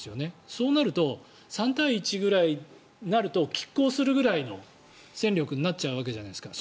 そうなると３対１ぐらいになるときっ抗するぐらいの戦力になっちゃうわけじゃないですか。